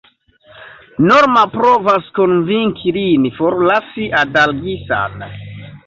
Norma provas konvinki lin forlasi Adalgisa-n.